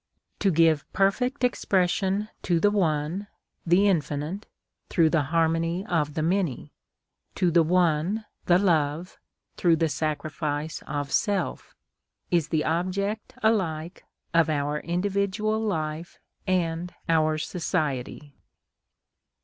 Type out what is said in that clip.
To give perfect expression to the One, the Infinite, through the harmony of the many; to the One, the Love, through the sacrifice of self, is the object alike of our individual life and our society.